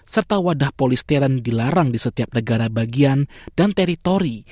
serta wadah polistern dilarang di setiap negara bagian dan teritori